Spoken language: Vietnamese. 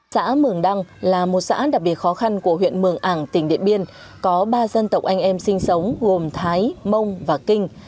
xã mường đăng là một xã đặc biệt khó khăn của huyện mường ảng tỉnh điện biên có ba dân tộc anh em sinh sống gồm thái mông và kinh